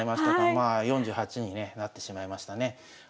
まあ４８にねなってしまいましたね。